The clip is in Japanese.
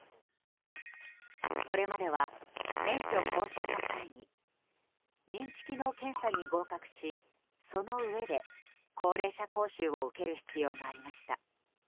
これまでは免許更新の際に認知機能検査に合格しそのうえで、高齢者講習を受ける必要がありました。